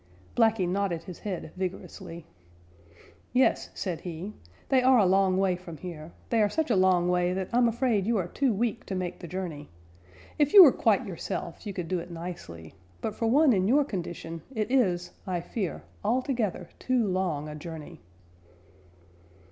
Blacky nodded his head vigorously. "Yes," said he, "they are a long way from here. They are such a long way that I'm afraid you are too weak to make the journey. If you were quite yourself you could do it nicely, but for one in your condition it is, I fear, altogether too long a journey."